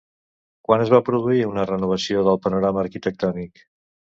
Quan es va produir una renovació del panorama arquitectònic?